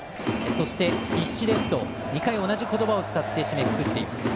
そして必死ですと２回、同じ言葉を使って締めくくっています。